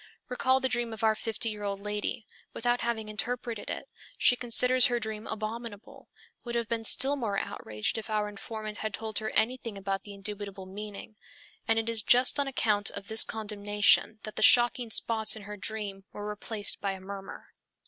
Recall the dream of our fifty year old lady. Without having interpreted it, she considers her dream abominable, would have been still more outraged if our informant had told her anything about the indubitable meaning; and it is just on account of this condemnation that the shocking spots in her dream were replaced by a murmur.